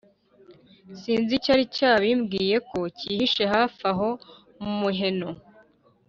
sinzi icyari cyayibwiye ko kihishe hafi aho mu muheno